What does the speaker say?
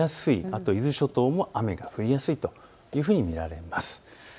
あと、伊豆諸島も雨が降りやすいというふうに見られます。